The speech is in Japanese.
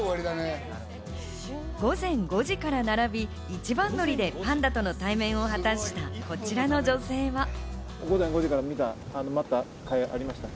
午前５時から並び、一番乗りでパンダとの対面を果たした、こちらの女性は。